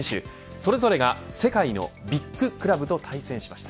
それぞれが世界のビッグクラブと対戦しました。